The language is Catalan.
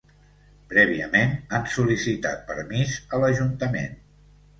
Prèviament han sol·licitat permís a l'ajuntament.